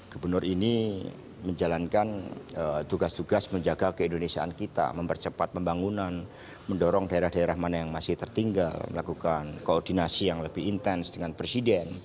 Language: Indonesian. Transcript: gubernur ini menjalankan tugas tugas menjaga keindonesiaan kita mempercepat pembangunan mendorong daerah daerah mana yang masih tertinggal melakukan koordinasi yang lebih intens dengan presiden